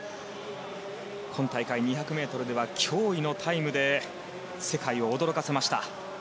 今大会２００ｍでは驚異のタイムで世界を驚かせました。